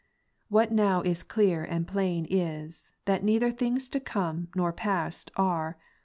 What now is clear and plain is, that neither things to come nor past are.